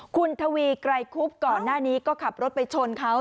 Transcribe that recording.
คุณทวีไกรคุบก่อนหน้านี้ก็ขับรถไปชนเขา